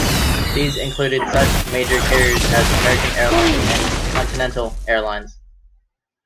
These included such major carriers as American Airlines and Continental Airlines.